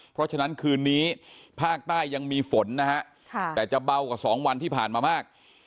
เพราะฉะนั้นคืนนี้ภาคใต้ยังมีฝนนะฮะแต่จะเบากว่า๒วันที่ผ่านมามาก